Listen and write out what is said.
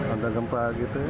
ada gempa gitu